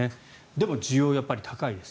でも、需要は高いです。